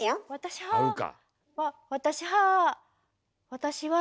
私「は」